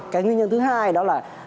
cái nguyên nhân thứ hai đó là